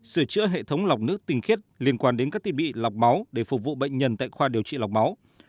sửa chữa hệ thống lọc nước tinh khiết liên quan đến các ti bị lọc máu để phục vụ bệnh nhân tại khoa điều trị lọc máu